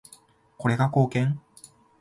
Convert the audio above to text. これが貢献？